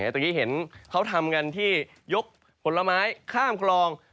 ตอนนี้เห็นเขาทำกันที่ยกผลไม้ข้ามกรอง